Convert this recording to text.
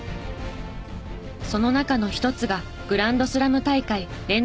その中の一つがグランドスラム大会連続